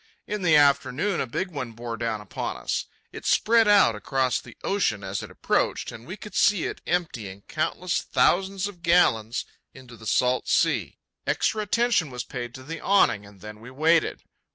In the afternoon a big one bore down upon us. It spread out across the ocean as it approached, and we could see it emptying countless thousands of gallons into the salt sea. Extra attention was paid to the awning and then we waited.